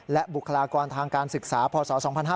และบุคลากรทางการศึกษาพศ๒๕๕๙